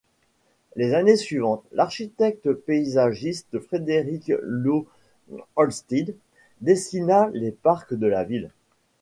Les années suivantes, l'architecte paysagiste Frederick Law Olmsted dessina les parcs de la ville.